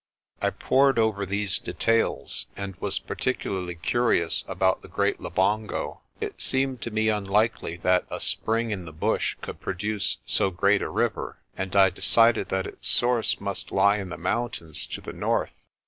I pored over these details, and was particularly curious about the Great Labongo. It seemed to me unlikely tliat a spring in the bush could produce so great a river, and I decided that its source must lie in the mountains to the north.